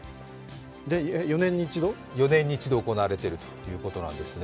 ４年に１度行われているということなんですね。